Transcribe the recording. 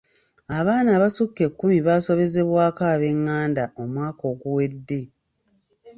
Abaaana abasukka ekkumi baasobezebwako ab'enganda omwaka oguwedde.